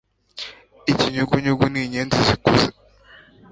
Ikinyugunyugu ni inyenzi zikuze.